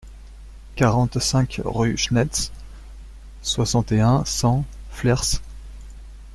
quarante-cinq rue Schnetz, soixante et un, cent, Flers